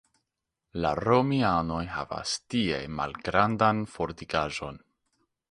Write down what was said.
La romianoj havis tie malgrandan fortikaĵon.